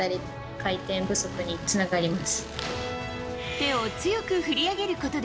手を強く振り上げることで